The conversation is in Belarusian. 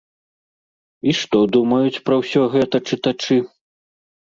І што думаюць пра ўсё гэта чытачы?